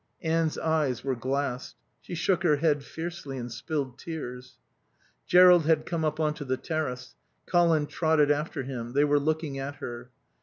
Anne's eyes were glassed. She shook her head fiercely and spilled tears. Jerrold had come up on to the terrace. Colin trotted after him. They were looking at her.